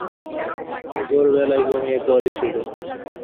ভোরবেলায় ঘুমিয়ে পড়েছিলে।